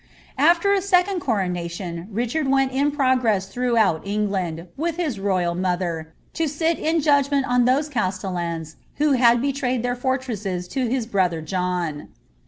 After a second coronation, Richard went in progress throughout Eng lind, with his royal mother, to sit in judgment on those castellans who had betrayed their fortresses to his brother John.